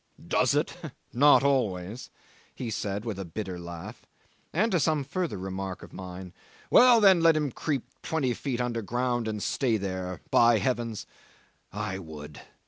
"Does it? Not always," he said, with a bitter laugh, and to some further remark of mine "Well, then, let him creep twenty feet underground and stay there! By heavens! I would."